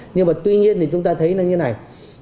nhưng mà tuy nhiên thì chúng ta thấy nó như này